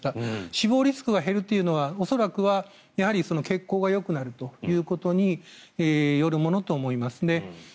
死亡リスクが減るというのは恐らくは血行がよくなるということによるものと思います。